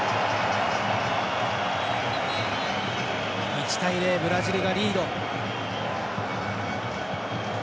１対０、ブラジルがリード。